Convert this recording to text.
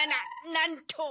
なんと！